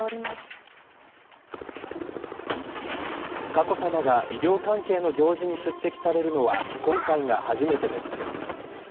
佳子さまが医療関係の行事に出席されるのは今回が初めてです。